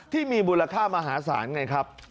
ที่มีมูลค่ามหาศาลไงครับ